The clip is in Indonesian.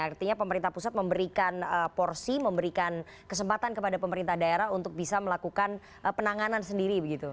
artinya pemerintah pusat memberikan porsi memberikan kesempatan kepada pemerintah daerah untuk bisa melakukan penanganan sendiri begitu